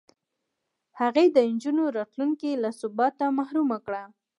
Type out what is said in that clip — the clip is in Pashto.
هغوی د نجونو راتلونکې له ثباته محرومه کړه.